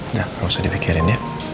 udah gak usah dipikirin ya